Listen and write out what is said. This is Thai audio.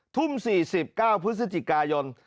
ทุ่ม๔๙พฤศจิกายน